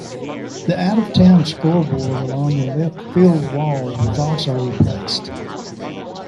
The out-of-town scoreboard along the left field wall was also replaced.